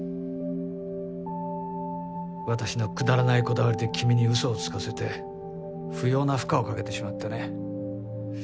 私のくだらないこだわりで君にうそをつかせて不要な負荷をかけてしまったね。